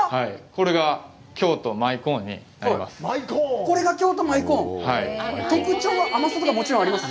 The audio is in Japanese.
これが、京都舞コーンになります。